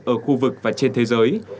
ở khu vực và trên thế giới